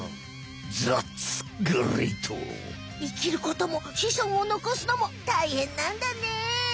生きることもしそんを残すのもたいへんなんだね。